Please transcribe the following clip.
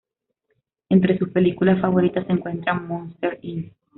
Entre sus películas favoritas se encuentran Monsters, Inc.